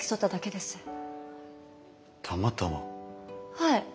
はい。